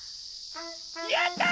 やった！